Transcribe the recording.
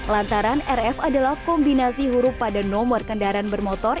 lantaran rf adalah kombinasi huruf pada nomor kendaraan bermotor